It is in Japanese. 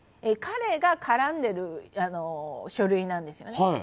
彼が絡んでいる書類なんですよね。